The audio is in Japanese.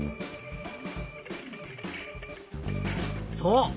そう。